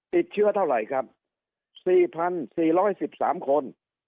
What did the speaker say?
ติดเชื้อเท่าไรครับสี่พันสี่ร้อยสิบสามคน